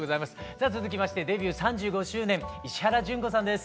さあ続きましてデビュー３５周年石原詢子さんです。